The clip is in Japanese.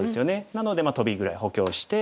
なのでトビぐらい補強して。